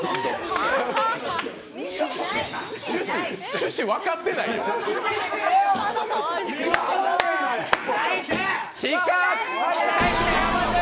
趣旨、分かってないやん。